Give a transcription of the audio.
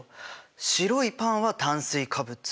白いパンは炭水化物。